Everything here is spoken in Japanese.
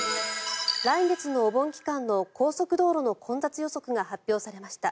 来月のお盆期間の高速道路の混雑予測が発表されました。